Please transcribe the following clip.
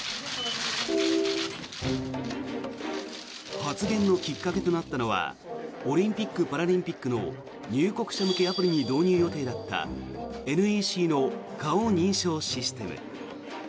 発言のきっかけとなったのはオリンピック・パラリンピックの入国者向けアプリに導入予定だったＮＥＣの顔認証システム。